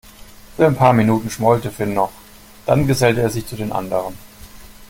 Für ein paar Minuten schmollte Finn noch, dann gesellte er sich zu den anderen.